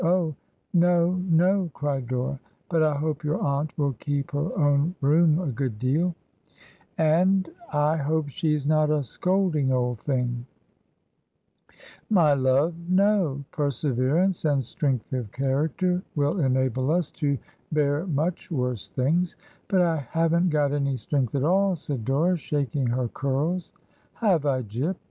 ' Oh, no, no !' cried Dora. ' But I hope your atuit will keep her own room a good deal ! And I 150 Digitized by VjOOQIC DICKENS'S LATER HEROINES hope she's not a scolding old thing!' ... 'My love, no. Perseverance and strength of character will enable us to bear much worse things.' 'But I haven't got any strength at all/ said Dora, shaking her curls. 'Have I, Jip?